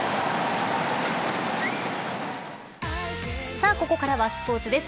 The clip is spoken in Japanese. さあここからはスポーツです